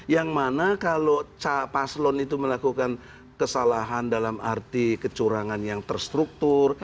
yang mana kalau paslon itu melakukan kesalahan dalam arti kecurangan yang terstruktur